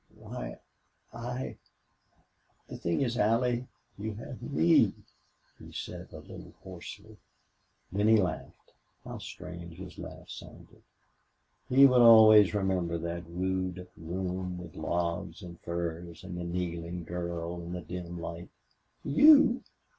"Why, I The thing is Allie you have ME!" he said, a little hoarsely. Then he laughed. How strange his laugh sounded! He would always remember that rude room of logs and furs and the kneeling girl in the dim light. "YOU!"